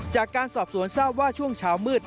จากการสอบสวนทราบว่าช่วงเช้ามืด